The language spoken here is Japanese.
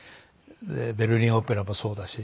ベルリン・オペラもそうだし。